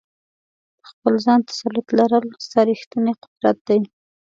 په خپل ځان تسلط لرل، ستا ریښتنی قدرت دی.